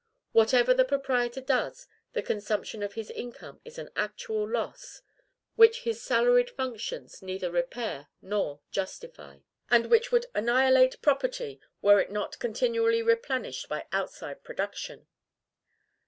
Whatever the proprietor does, the consumption of his income is an actual loss, which his salaried functions neither repair nor justify; and which would annihilate property, were it not continually replenished by outside production.